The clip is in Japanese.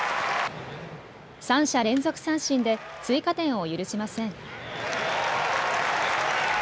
３者連続三振で追加点を許しません。